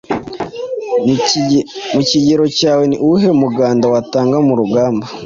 Mu kigero cyawe, ni uwuhe muganda watanga mu rugamba